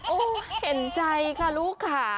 โอ้โหเห็นใจค่ะลูกค่ะ